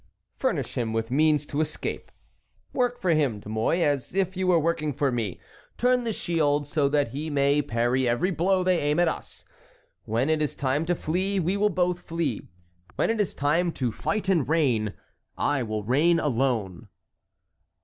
Furnish him with means to escape. Work for him, De Mouy, as if you were working for me, turn the shield so that he may parry every blow they aim at us. When it is time to flee, we will both flee. When it is time to fight and reign, I will reign alone."